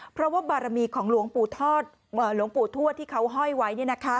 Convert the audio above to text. เพราะว่าบารมีของหลวงปู่หลวงปู่ทวดที่เขาห้อยไว้